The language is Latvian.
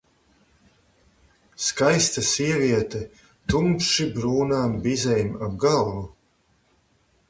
Skaista sieviete, tumši brūnām bizēm ap galvu.